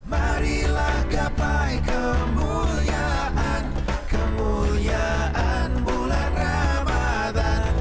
marilah gapai kemuliaan kemuliaan bulan ramadhan